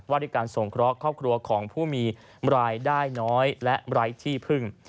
ด้วยการส่งเคราะห์ครอบครัวของผู้มีรายได้น้อยและไร้ที่พึ่ง